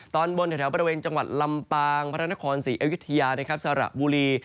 ตอนบนแถวบริเวณจังหวัดลำปางพระนครศรีอยุธยาสระบุรี